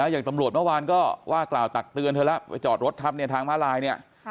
อย่างตำรวจเมื่อวานก็ว่ากล่าวตักเตือนเธอแล้วไปจอดรถทับเนี่ยทางมาลายเนี่ย